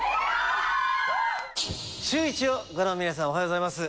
シューイチをご覧の皆様、おはようございます。